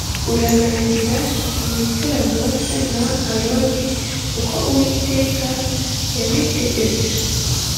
uranangira ntiyumvira Mose na Aroni uko Uwiteka yabitegetse.